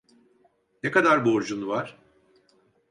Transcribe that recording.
Ne kadar borcun var?